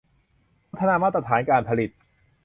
พัฒนามาตรฐานการผลิต